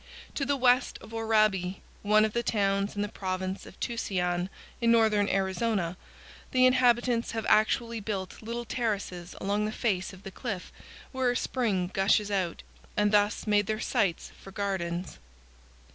To the west of Oraibi, one of the towns in the Province of Tusayan, in northern Arizona, the inhabitants have actually built little terraces along the face of the cliff where a 260 CANYONS OF THE COLORADO. spring gushes out, and thus made their sites for gardens.